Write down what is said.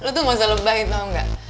eh lo tuh masa lebahin tau gak